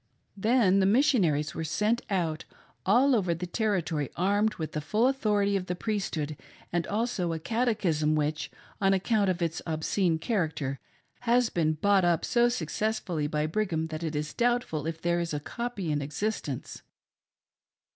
Then Missionaries were sent out all over the territory armed with the full authority of the Priesthood and also a catechism which, on account of its obscene character, has since been bought up so successfully by Brigham that it is doubtful if there is a copy in existence.